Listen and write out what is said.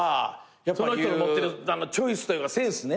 その人の持ってるチョイスというかセンスね。